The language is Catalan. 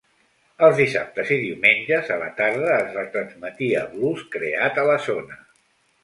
Els dissabtes i diumenges a la tarda es retransmetia blues creat a la zona.